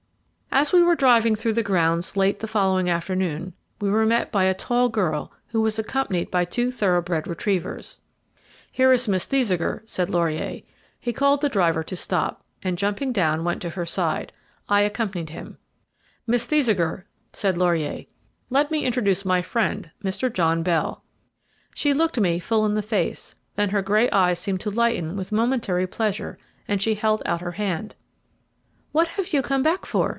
As we were driving through the grounds late the following afternoon we were met by a tall girl, who was accompanied by two thoroughbred retrievers. "Here is Miss Thesiger," said Laurier. He called to the driver to stop, and jumping down, went to her side. I accompanied him. "Miss Thesiger," said Laurier, "let me introduce my friend, Mr. John Bell." She looked me full in the face, then her grey eyes seemed to lighten with momentary pleasure, and she held out her hand. "What have you come back for?"